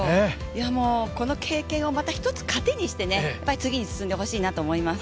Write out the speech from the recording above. この経験をまた１つ、糧にして次に進んでほしいなと思います。